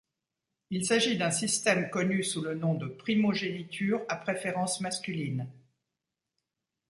Il s'agit d'un système connu sous le nom de primogéniture à préférence masculine.